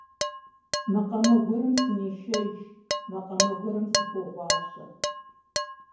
Макъамэ гуэрым сынешэж, макъамэ гуэрым сыхогъуащэ.